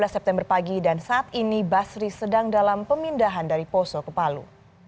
dua belas september pagi dan saat ini basri sedang dalam pemindahan dari poso ke palu